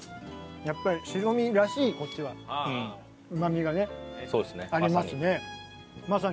やっぱり白身らしいこっちはうまみがねありますね。